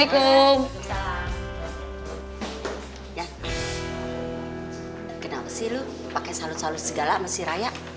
yang kenapa sih lo pake salut salut segala sama si raya